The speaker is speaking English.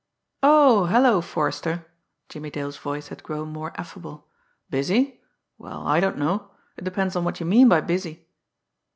"Oh, hello, Forrester!" Jimmie Dale's voice had grown more affable. "Busy? Well, I don't know. It depends on what you mean by busy."